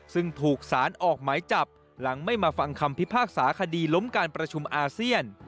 ซึ่งถูกสารออกหมายจับหลังไม่มาฟังคำพิพากษาคดีล้มการประชุมอาเซียน